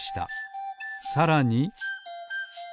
さらに。